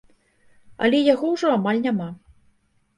Але яго ўжо амаль няма.